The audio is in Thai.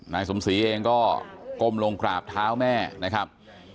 นายสมศรีเองก็ก้มลงกราบเท้าแม่นะครับ